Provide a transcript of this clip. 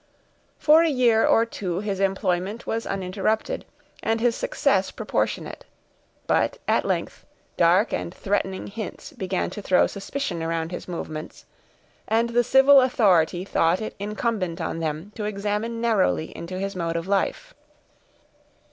For a year or two his employment was uninterrupted, and his success proportionate; but, at length, dark and threatening hints began to throw suspicion around his movements, and the civil authority thought it incumbent on them to examine narrowly into his mode of life.